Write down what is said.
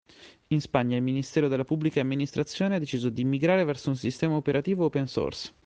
In Spagna il Ministero della Pubblica Amministrazione ha deciso di migrare verso un sistema operativo open source.